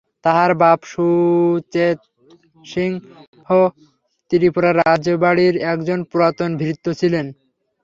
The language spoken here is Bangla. তাঁহার বাপ সুচেতসিংহ ত্রিপুরার রাজবাটীর একজন পুরাতন ভৃত্য ছিলেন।